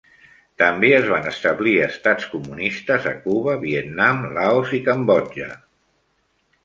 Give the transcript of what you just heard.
També es van establir estats comunistes a Cuba, Vietnam, Laos i Cambodja.